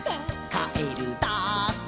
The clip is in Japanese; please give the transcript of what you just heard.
「かえるだって」